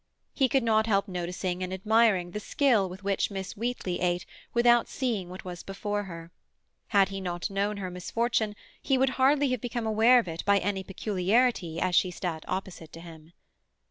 He could not help noticing and admiring the skill with which Miss Wheatley ate without seeing what was before her; had he not known her misfortune, he would hardly have become aware of it by any peculiarity as she sat opposite to him.